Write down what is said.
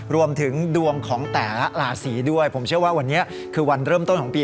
รวมถึงดวงของแต่ละราศีด้วยผมเชื่อว่าวันนี้คือวันเริ่มต้นของปี